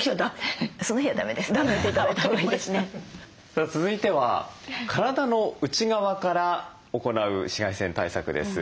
さあ続いては体の内側から行う紫外線対策です。